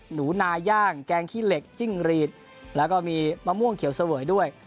หนูนาย่างแกงขี้เหล็กจิ้งรีดแล้วก็มีมะม่วงเขียวเสวยด้วย